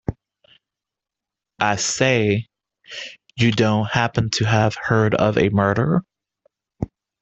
I say, you don't happen to have heard of a murder?